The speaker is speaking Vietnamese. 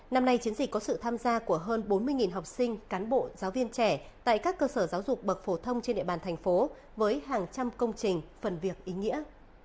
năm nay chiến dịch có sự tham gia của hơn bốn mươi học sinh cán bộ giáo viên trẻ tại các cơ sở giáo dục bậc phổ thông trên địa bàn thành phố với hàng trăm công trình phần việc ý nghĩa